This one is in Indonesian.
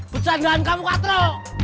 pecahkan kamu katro